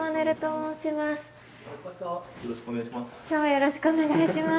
よろしくお願いします。